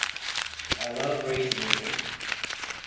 I love rage music.